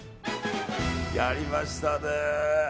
やりましたね。